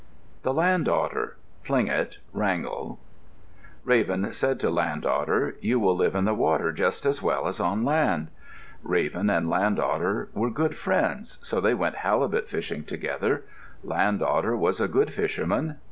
THE LAND OTTER Tlingit (Wrangell) Raven said to Land Otter, "You will live in the water just as well as on land." Raven and Land Otter were good friends, so they went halibut fishing together. Land Otter was a good fisherman.